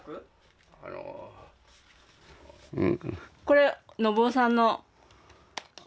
これ信雄さんの。